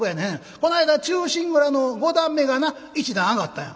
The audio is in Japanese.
こないだ『忠臣蔵』の五段目がな一段上がったんや」。